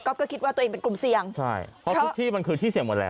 ก็คิดว่าตัวเองเป็นกลุ่มเสี่ยงใช่เพราะทุกที่มันคือที่เสี่ยงหมดแล้ว